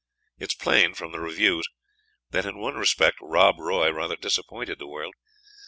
It is plain, from the reviews, that in one respect "Rob Roy" rather disappointed the world.